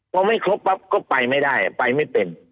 พอไม่ครบปั๊บก็ไปไม่ได้ไปไม่เป็น